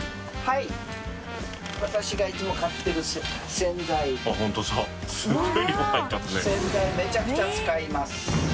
洗剤めちゃくちゃ使います